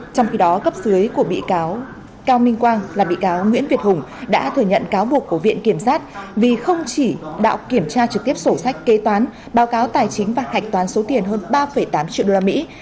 trong khi đó cấp dưới của bị cáo cao minh quang là bị cáo nguyễn việt hùng đã thừa nhận cáo buộc của viện kiểm sát vì không chỉ đạo kiểm tra trực tiếp sổ sách kế toán báo cáo tài chính và hạch toán số tiền hơn ba tám triệu đô la mỹ